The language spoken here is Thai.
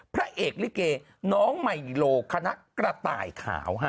พระเอกลิเกน้องไมโลคณะกระต่ายขาว